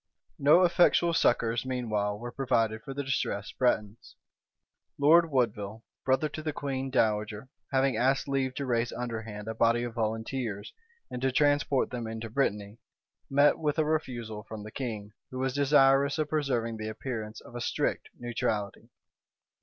No effectual succors, meanwhile, were provided for the distressed Bretons. Lord Woodville, brother to the queen dowager, having asked leave to raise underhand a body of volunteers, and to transport them into Brittany, met with a refusal from the king, who was desirous of preserving the appearance of a strict neutrality.